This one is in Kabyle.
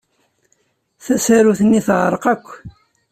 Tasarut-nni teɛreq akk.